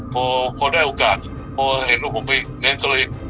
พอได้โอกาสพอเห็นว่าผมไม่เน้นตัวเลย